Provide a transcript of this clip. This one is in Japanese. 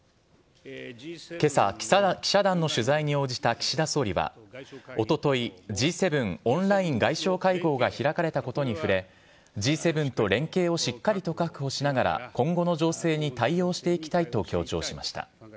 けさ、記者団の取材に応じた岸田総理は、おととい、Ｇ７オンライン外相会合が開かれたことに触れ、Ｇ７と連携をしっかりと確保しながら、今後の情勢に対応していきたいと強調しました。